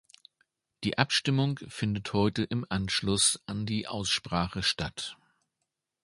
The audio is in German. Die Abstimmung findet heute im Anschluss an die Aussprache statt.